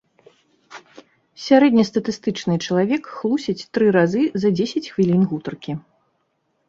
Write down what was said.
Сярэднестатыстычны чалавек хлусіць тры разы за дзесяць хвілін гутаркі.